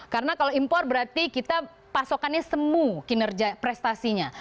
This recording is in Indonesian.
karena kalau impor berarti kita pasokannya semu kinerja prestasinya